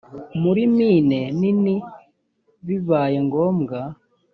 muri mine nini bibaye ngombwa